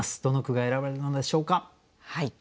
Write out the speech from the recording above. どの句が選ばれるのでしょうか。